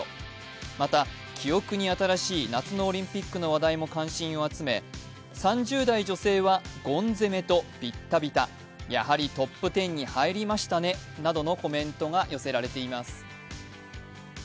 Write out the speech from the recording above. また、記憶に新しい夏のオリンピックの話題も関心を集め３０代女性はゴン攻めとビッタビタ、やはりトップ１０に入りましたねなどのコメントが寄せられています。